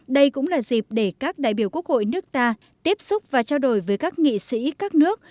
đây cũng là dịp để các đại biểu quốc hội nước ta tiếp xúc và trao đổi với các nghị sĩ các nước